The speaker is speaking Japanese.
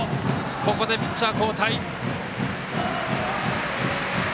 ここでピッチャー交代。